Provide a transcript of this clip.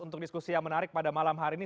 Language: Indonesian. untuk diskusi yang menarik pada malam hari ini